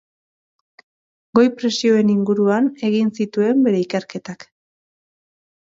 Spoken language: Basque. Goi-presioen inguruan egin zituen bere ikerketak.